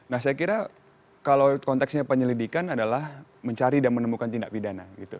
nah saya kira kalau konteksnya penyelidikan adalah mencari dan menemukan tindak pidana gitu